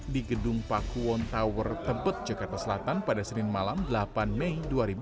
di gedung pakuwon tower tebet jakarta selatan pada senin malam delapan mei dua ribu dua puluh